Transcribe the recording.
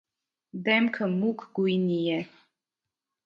Դեմքը մուգ գույնի է։